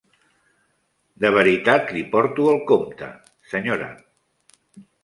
De veritat li porto el compte, senyora.